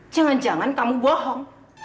jangan jangan kamu bohong